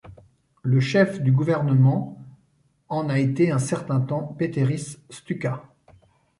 Le chef du gouvernement en a été un certain temps Pēteris Stučka.